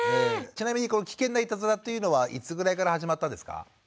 ちなみに危険ないたずらっていうのはいつぐらいから始まったんですか？